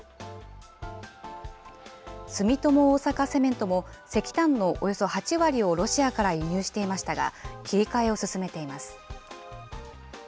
住友大阪セメントも、石炭のおよそ８割をロシアから輸入していましたが、切り替えを進めています。